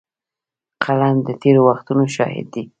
قلم د تېر وختونو شاهد دی